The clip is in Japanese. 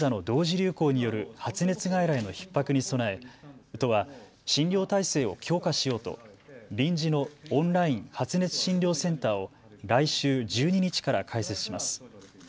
流行による発熱外来のひっ迫に備え、都は診療体制を強化しようと臨時のオンライン発熱診療センターを来週１２日から開設します。